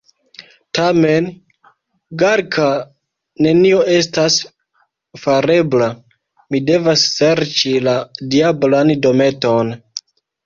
Tamen, Galka, nenio estas farebla, mi devas serĉi la diablan dometon!